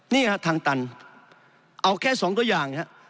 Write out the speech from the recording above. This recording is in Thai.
นี่ครับทางตันเอาแค่๒ตัวอย่างครับ